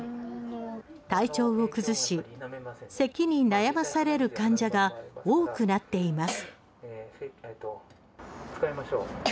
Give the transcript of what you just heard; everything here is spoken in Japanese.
体調を崩しせきに悩まされる患者が多くなっています。